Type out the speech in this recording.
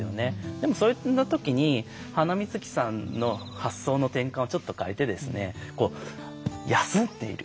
でも、それのときにハナミズキさんの発想の転換をちょっと変えて、休んでいる。